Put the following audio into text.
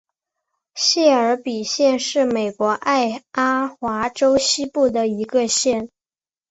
谢尔比县是美国爱阿华州西部的一个县。